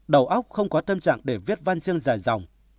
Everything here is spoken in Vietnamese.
đầu óc không có tâm trạng để viết văn riêng dài dòng